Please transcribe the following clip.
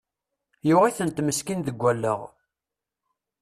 Yuɣ-itent meskin deg allaɣ!